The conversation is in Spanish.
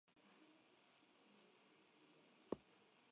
Fue fundador del European Youth Forum.